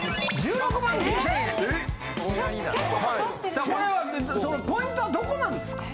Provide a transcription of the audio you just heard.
さあこれはそのポイントはどこなんですか？